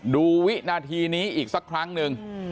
วินาทีนี้อีกสักครั้งหนึ่ง